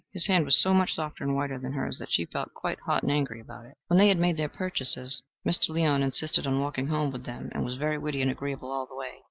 His hand was so much softer and whiter than hers that she felt quite hot and angry about it. When they had made their purchases, Mr. Leon insisted on walking home with them, and was very witty and agreeable all the way.